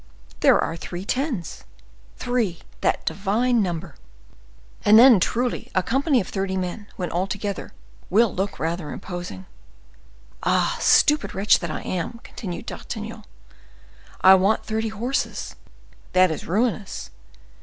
There are three tens—three, that divine number! And then, truly, a company of thirty men, when all together, will look rather imposing. Ah! stupid wretch that I am!" continued D'Artagnan, "I want thirty horses. That is ruinous.